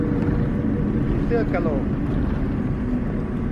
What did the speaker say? ผีเสื้อกะโหลก